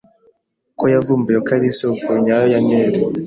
ko yavumbuye ko ari isoko nyayo ya Nili